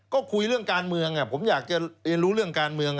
ก็คุยเรื่องการเมืองอ่ะผมอยากเลยรู้เรื่องการเมืองอ่ะ